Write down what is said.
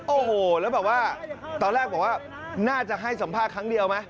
โอ้โหแล้วแบบว่าตอนแรกบอกว่าน่าจะให้สัมภาษณ์ครั้งเดียวไหม